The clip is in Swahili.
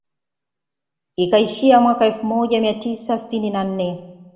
Ikaishia mwaka elfu moja mia tisa sitini na nne